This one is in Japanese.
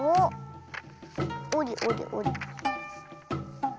おりおりおり。